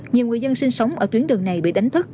nhiều người dân sinh sống ở tuyến đường này bị đánh thức